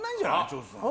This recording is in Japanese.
長州さん。